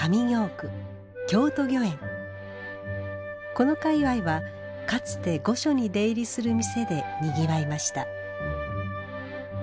この界わいはかつて御所に出入りする店でにぎわいました。